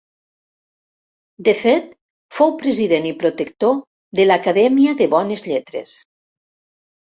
De fet fou president i protector de l'Acadèmia de Bones Lletres.